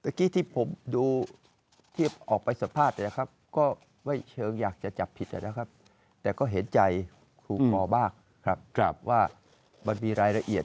เมื่อกี้ที่ผมดูเทียบออกไปสัมภาษณ์ก็ไม่เชิงอยากจะจับผิดนะครับแต่ก็เห็นใจครูปอมากครับว่ามันมีรายละเอียด